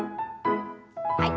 はい。